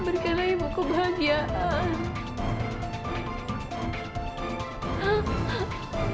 berikanlah ibu kebahagiaan